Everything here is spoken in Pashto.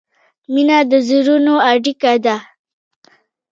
مینه د زړونو اړیکه ده.